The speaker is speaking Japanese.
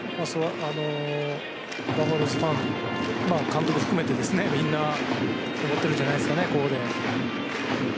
バファローズファン監督含めてみんな思ってるんじゃないですかね。